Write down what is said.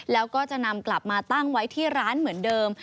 แล้วก็จะนำกลับมาตั้งไว้ที่ร้านเหมือนเดิม